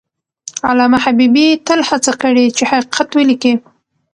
علامه حبیبي تل هڅه کړې چې حقیقت ولیکي.